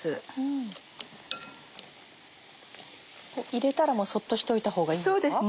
入れたらそっとしておいたほうがいいんですか？